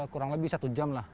kurang lebih satu jam lah